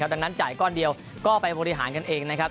ดังนั้นจ่ายก้อนเดียวก็ไปบริหารกันเองนะครับ